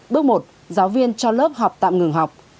bước một giáo viên cho lớp học tạm ngừng học